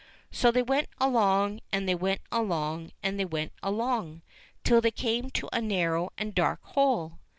So they went along, and they went along, and they went along, till they came to a narrow and dark hole.